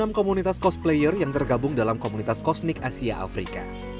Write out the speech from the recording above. enam komunitas cosplayer yang tergabung dalam komunitas kosnik asia afrika